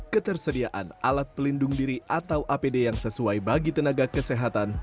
ketersediaan alat pelindung diri atau apd yang sesuai bagi tenaga kesehatan